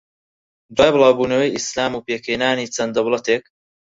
دوای بڵاوبونەوەی ئیسلام و پێکھێنانی چەند دەوڵەتێک